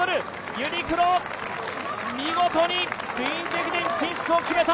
ユニクロ、見事に「クイーンズ駅伝」進出を決めた！